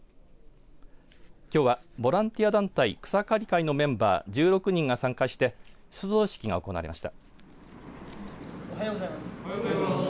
きょうはボランティア団体草刈会のメンバー１６人が参加して出動式が行われました。